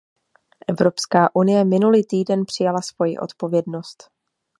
Evropská unie minulý týden přijala svoji odpovědnost.